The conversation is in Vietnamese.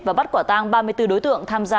và bắt quả tang ba mươi bốn đối tượng tham gia